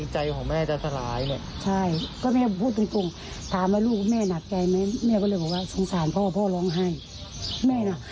จะช่วยจะดีกับลูกของเรา